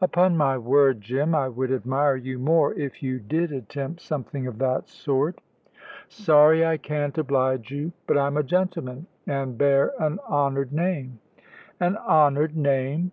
"Upon my word, Jim, I would admire you more if you did attempt something of that sort." "Sorry I can't oblige you; but I'm a gentleman and bear an honoured name." "An honoured name!"